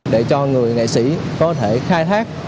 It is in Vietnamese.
để cho người nghệ sĩ có thể khai thác